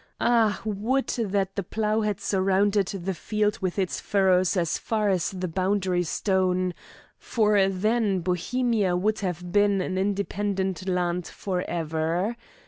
Ah, would that the plough had surrounded the field with its furrows as far as the boundary stone, for then Bohemia would have been an independent land for ever!